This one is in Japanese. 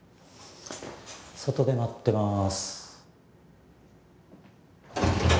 外で待ってまーす